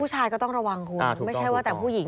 ผู้ชายก็ต้องระวังคุณไม่ใช่ว่าแต่ผู้หญิง